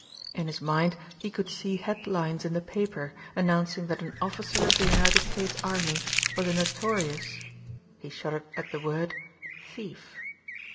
In his mind he could see headlines in the paper announcing that an officer of the United States Army was a notorious he shuddered at the word thief.